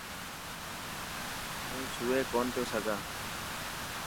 هون سوئي ڪونه پيو سگھان.